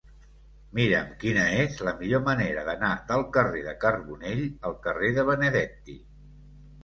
Mira'm quina és la millor manera d'anar del carrer de Carbonell al carrer de Benedetti.